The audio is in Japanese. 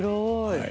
はい。